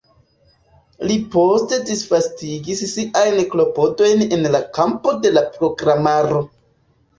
Li poste disvastigis siajn klopodojn en la kampo de la programaro.